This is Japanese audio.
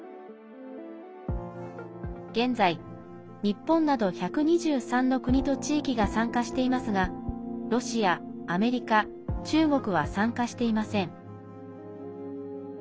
現在、日本など１２３の国と地域が参加していますがロシア、アメリカ、中国は参加していません。